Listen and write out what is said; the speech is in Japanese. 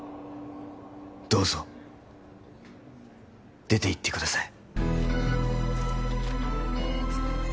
どうぞ出ていってください